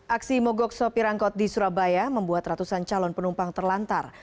aksi mogok sopir angkot di surabaya membuat ratusan calon penumpang terlantar